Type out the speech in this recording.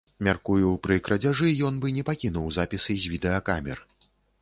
Мяркую, пры крадзяжы ён бы не пакінуў запісы з відэакамер.